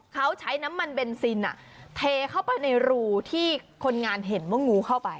เขาใช้น้ำมันเบนซินเทเข้าไปในรูที่คนงานเห็นว่างูเข้าไป